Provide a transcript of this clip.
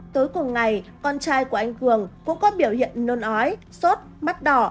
tối cùng ngày con trai của anh cường cũng có biểu hiện nôn ói sốt mắt đỏ